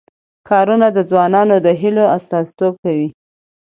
ښارونه د ځوانانو د هیلو استازیتوب کوي.